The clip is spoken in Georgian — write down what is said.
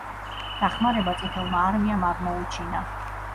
დახმარება წითელმა არმიამ აღმოუჩინა.